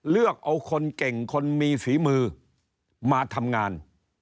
เลือกเอาคนเก่งคนมีฝีมือมาทำงาน